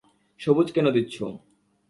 সবুজ কেন দিচ্ছো?